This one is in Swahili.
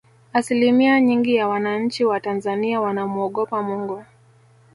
asilimia nyingi ya wananchi wa tanzania wanamuogopa mungu